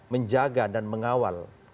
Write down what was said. menjaga dan mengawal